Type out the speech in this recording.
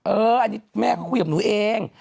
อันนี้แม่ก็คุยกับหนูเอง